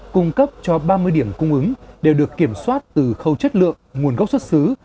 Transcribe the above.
cung cấp cho ba mươi điểm cung ứng đều được kiểm soát từ khâu chất lượng nguồn gốc xuất xứ